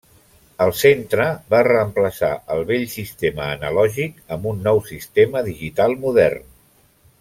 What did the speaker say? El centre va reemplaçar el vell sistema analògic amb un nou sistema digital modern.